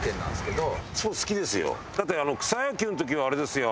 だってあの草野球の時はあれですよ。